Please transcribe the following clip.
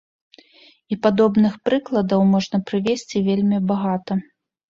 І падобных прыкладаў можна прывесці вельмі багата.